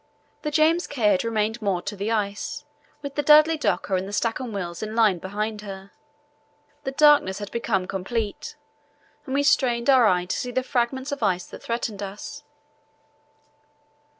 The James Caird remained moored to the ice, with the Dudley Docker and the Stancomb Wills in line behind her. The darkness had become complete, and we strained our eye to see the fragments of ice that threatened us.